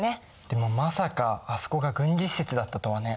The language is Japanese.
でもまさかあそこが軍事施設だったとはね。